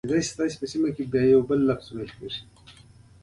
د حلبې دانې، د وریجو رنګ او د کوکنارو دانې هم کاروي.